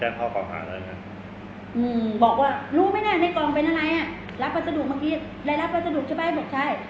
อืมบอกว่ารู้ไม่แน่ในกล่องเป็นอะไรอ่ะรับวัสดุเมื่อกี้อะไรรับวัสดุใช่ไหมบอกใช่